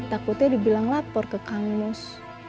takutnya dibilang lapor ke kang mus